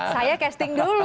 saya casting dulu